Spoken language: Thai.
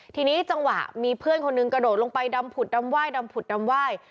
ทีนี้จังหวะมีเพื่อนคนหนึ่งกระโดดลงไปดำผุดดำไหว้ดำผุดดำไหว้